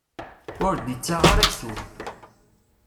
Ur d-ittaɣ ara aksum.